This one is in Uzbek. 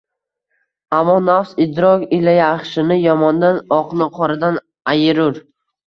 Ammo nafs idrok ila yaxshini yomondan, oqni qoradan ayirur